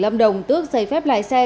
lâm đồng tước giấy phép lái xe